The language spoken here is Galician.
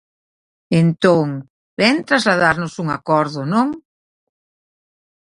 Entón, vén trasladarnos un acordo, ¿non?